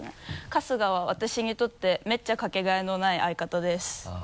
「春日は私にとってめっちゃかけがえのない相方です。」